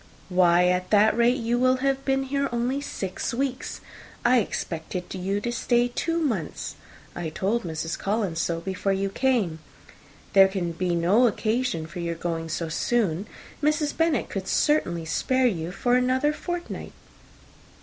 "Why, at that rate, you will have been here only six weeks. I expected you to stay two months. I told Mrs. Collins so before you came. There can be no occasion for your going so soon. Mrs. Bennet could certainly spare you for another fortnight."